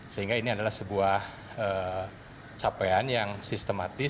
sehingga ini adalah sebuah capaian yang sistematis